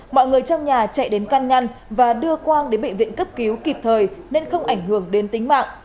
mọi người trong nhà chạy đến căn ngăn và đưa quang đến bệnh viện cấp cứu kịp thời nên không ảnh hưởng đến tính mạng